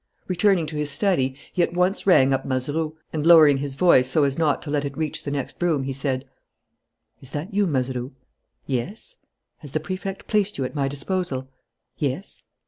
Returning to his study, he at once rang up Mazeroux and, lowering his voice so as not to let it reach the next room, he said: "Is that you, Mazeroux?" "Yes." "Has the Prefect placed you at my disposal?" "Yes."